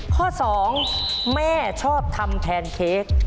ข้อสองแม่ชอบทำแพนเค้ก